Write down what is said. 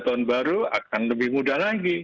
tahun baru akan lebih mudah lagi